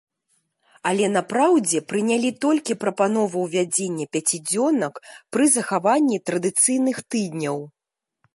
Але на праўдзе прынялі толькі прапанову ўвядзення пяцідзёнак пры захаванні традыцыйных тыдняў.